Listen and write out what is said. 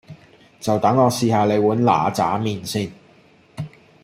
就等我試吓你碗嗱喳麵先